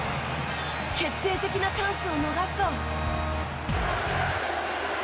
決定的なチャンスを逃すと。